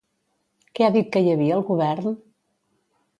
Què ha dit que hi havia al govern?